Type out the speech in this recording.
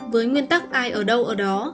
với nguyên tắc ai ở đâu ở đó